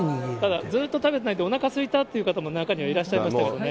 だからずっと食べてなくておなかすいたっていう方も中にはいらっしゃいましたけどね。